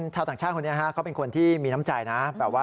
ชาวต่างชาติคนนี้เขาเป็นคนที่มีน้ำใจนะ